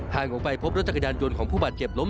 ออกไปพบรถจักรยานยนต์ของผู้บาดเจ็บล้ม